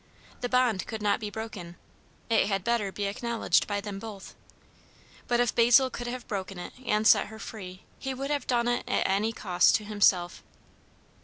The bond could not be broken; it had better be acknowledged by them both. But if Basil could have broken it and set her free, he would have done it at any cost to himself.